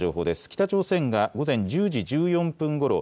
北朝鮮が午前１０時１４分ごろ